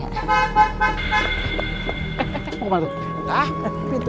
eh kok kemana tuh